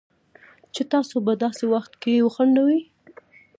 چې تاسو په داسې وخت کې وخندوي